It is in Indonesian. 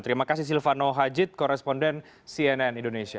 terima kasih silvano hajid koresponden cnn indonesia